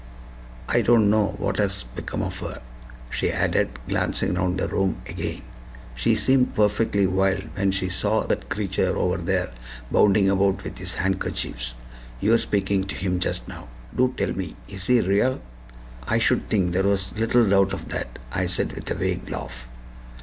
I don't know what has become of her," she added, glancing round the room again; "she seemed perfectly wild when she saw that creature over there bounding about with his handkerchiefs. You were speaking to him just now. Do tell me is he real?" "I should think there was little doubt of that," I said with a vague laugh.